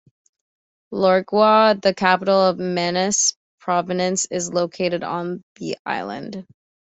Lorengau, the capital of Manus Province, is located on the island.